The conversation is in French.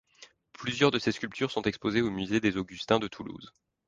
Plusieurs de ses sculptures sont exposées au Musée des Augustins de Toulouse.